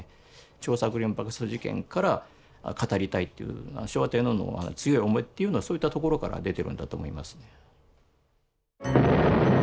張作霖爆殺事件から語りたいという昭和天皇の強い思いというのはそういったところから出てるんだと思います。